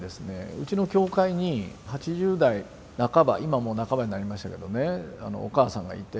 うちの教会に８０代半ば今もう半ばになりましたけどねお母さんがいて。